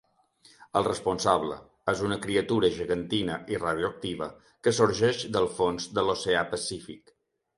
El responsable és una criatura gegantina i radioactiva que sorgeix del fons de l'Oceà Pacífic.